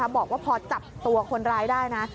บอกว่าพอจับตัวคนร้ายได้นะ